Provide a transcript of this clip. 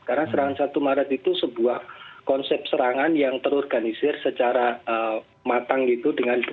karena serangan satu maret itu sebuah konsep serangan yang terorganisir secara matang itu